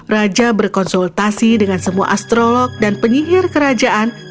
raja berkonsultasi dengan semua astrolog dan penyihir kerajaan